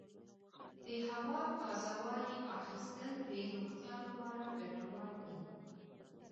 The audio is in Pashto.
د هوا تازه والي اخیستل د روغتیا لپاره ګټور دي.